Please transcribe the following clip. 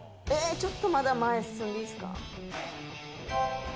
ちょっとまだ前進んでいいですか。